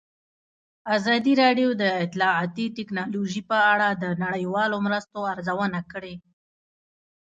ازادي راډیو د اطلاعاتی تکنالوژي په اړه د نړیوالو مرستو ارزونه کړې.